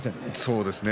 そうですね